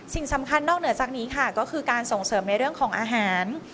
สิ่งสำคัญนอกเหนือจากนี้ค่ะก็คือการส่งเสริมในเรื่องของอาหาร